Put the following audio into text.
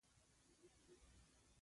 چنګاښ کې هوا ډېره ګرمه وي.